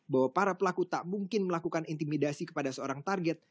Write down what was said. bahwa para pelaku tak mungkin melakukan intimidasi kepada seorang target